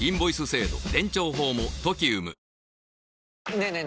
ねえねえ